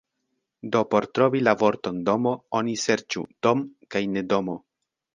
Do por trovi la vorton "domo", oni serĉu "dom" kaj ne "domo".